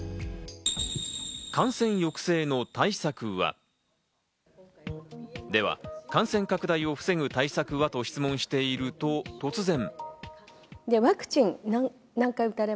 感染抑制の対策は？では感染拡大を防ぐ対策は？と質問していると突然。